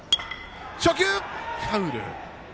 初球はファウル。